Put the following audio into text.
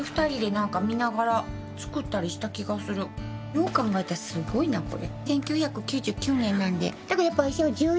よう考えたらすごいなこれ。